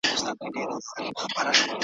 چا نذرونه خیراتونه ایښودله ,